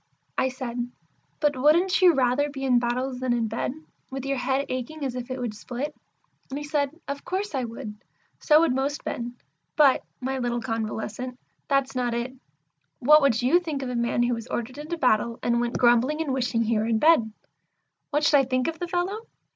I said, "But wouldn't you rather be in battles than in bed, with your head aching as if it would split?" And he said, "Of course I would; so would most men. But, my little convalescent, that's not it. What would you think of a man who was ordered into battle, and went grumbling and wishing he were in bed?" "What should I think of the fellow?